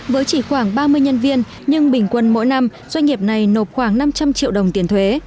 với chỉ khoảng ba mươi nhân viên nhưng bình quân mỗi năm doanh nghiệp này nộp khoảng năm trăm linh triệu đồng tiền thuế